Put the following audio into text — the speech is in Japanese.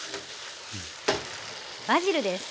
バジルです。